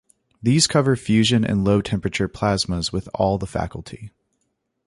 These cover fusion and low temperature plasmas with all the faculty.